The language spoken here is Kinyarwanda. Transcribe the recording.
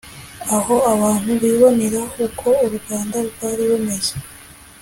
, aho abantu bibonera uko u Rwanda rwari rumeze